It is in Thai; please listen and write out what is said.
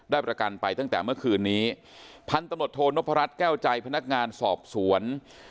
ประกันไปตั้งแต่เมื่อคืนนี้พันตำรวจโทนพรัชแก้วใจพนักงานสอบสวน